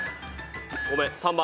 ごめん３番。